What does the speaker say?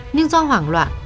nhưng do hoảng loạn